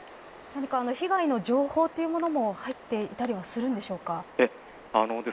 何か被害の情報というものも入っていたりはするんでしょうか。